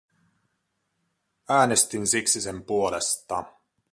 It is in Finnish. Äänestin siksi sen puolesta.